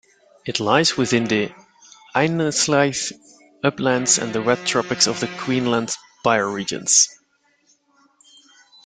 It lies within the Einasleigh Uplands and Wet Tropics of Queensland bioregions.